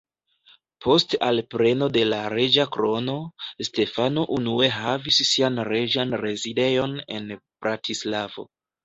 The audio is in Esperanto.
Post alpreno de la reĝa krono, Stefano unue havis sian reĝan rezidejon en Bratislavo.